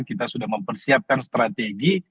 kita sudah mempersiapkan strategi